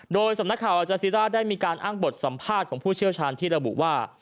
โดยสำนักข่าวอาจาซีร่าได้มีการอ้างบทสัมภาษณ์ของผู้เชี่ยวชาญที่ระบุว่า